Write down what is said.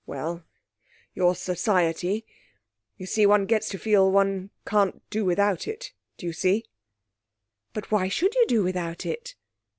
'Well your society you see one gets to feel one can't do without it, do you see?' 'But why should you do without it?'